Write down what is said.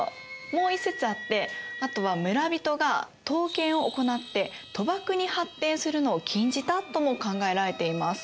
もう一説あってあとは村人が闘犬を行って賭博に発展するのを禁じたとも考えられています。